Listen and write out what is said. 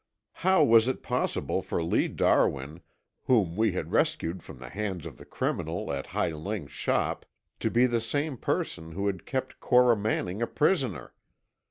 How was it possible for Lee Darwin, whom we had rescued from the hands of the criminal at Hi Ling's shop, to be the same person who had kept Cora Manning a prisoner?